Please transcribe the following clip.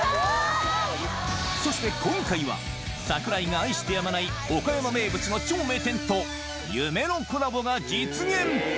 そして今回は、桜井が愛してやまない岡山名物の超名店と夢のコラボが実現。